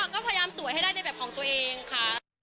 ก็พยายามสวยให้ได้ในแบบของตัวเองค่ะ